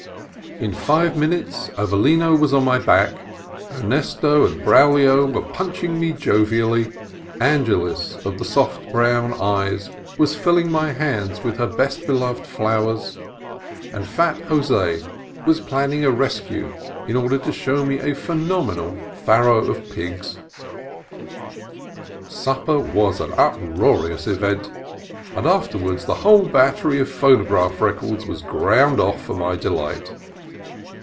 In five minutes Avelino was on my back, Ernesto and Braulio were punching me jovially, Angeles of the soft brown eyes was filling my hands with her best beloved flowers, and fat Jos6 was planning a rescue in order to show me a phenomenal farrow of pigs. Supper was an uproarious event, and afterwards the whole battery of phonograph records was ground off for my delight.